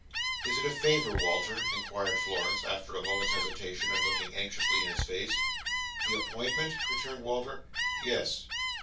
"Is it a favour, Walter?" inquired Florence, after a moment's hesitation, and looking anxiously in his face. "The appointment?" returned Walter. "Yes."